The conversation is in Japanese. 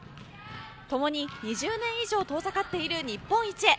共に２０年以上遠ざかっている日本一へ。